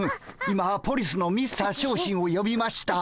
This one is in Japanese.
今ポリスのミスター小心をよびました。